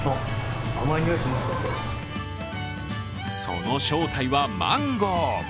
その正体は、マンゴー。